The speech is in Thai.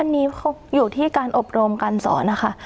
อันนี้อยู่ที่การอบรมการสอนนะคะ